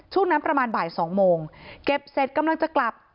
ช่วงนั้นประมาณบ่ายสองโมงเก็บเสร็จกำลังจะกลับ